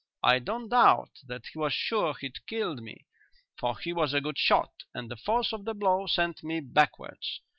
I don't doubt that he was sure he'd killed me, for he was a good shot and the force of the blow sent me backwards.